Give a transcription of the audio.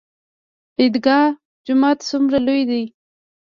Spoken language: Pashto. عیدګاه جومات څومره لوی دی؟